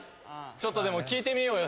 ちょっとでも聞いてみようよ